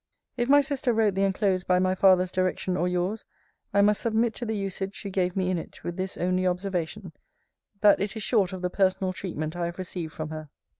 If my sister wrote the enclosed by my father's direction, or yours, I must submit to the usage she gave me in it, with this only observation, That it is short of the personal treatment I have received from her.